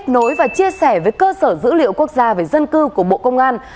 kết nối và chia sẻ với cơ sở dữ liệu quốc gia về dân cư của bộ công an